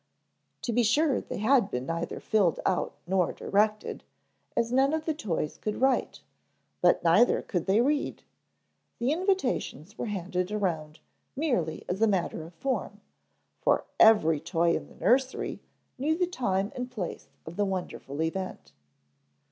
To be sure they had been neither filled out nor directed, as none of the toys could write, but neither could they read; the invitations were handed around merely as a matter of form, for every toy in the nursery knew the time and place of the wonderful event.